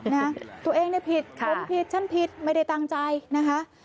นะตัวเองเนี่ยผิดผมผิดฉันผิดไม่ได้ตั้งใจนะคะ